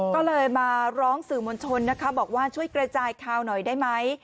ก็เลยมาร้องสื่อมวลชนนะคะบอกว่าช่วยกระจายข่าวหน่อยได้ไหม